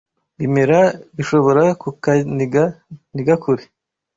bimera bishobora kukaniga, ntigakure.